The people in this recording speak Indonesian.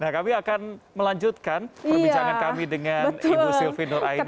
nah kami akan melanjutkan perbincangan kami dengan ibu sylvie nur aini nanti setelah jadinya